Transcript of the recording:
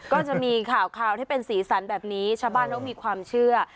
ก็จะมีข่าวที่เป็นสีสันแบบนี้ชาวบ้านเขามีความเชื่อ